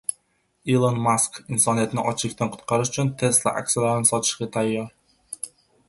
Ilon Mask insoniyatni ochlikdan qutqarish uchun Tesla aksiyalarini sotishga tayyor.